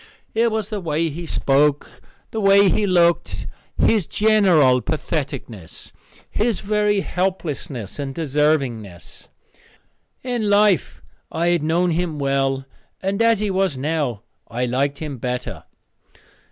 It was the way he spoke, the way he looked, his general patheticness, his very helplessness, and deservingness. In life I had known him well, and as he was now I liked him better.